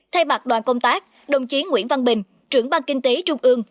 thay mặt đoàn công tác đồng chiến nguyễn văn bình trưởng bang kinh tế trung ương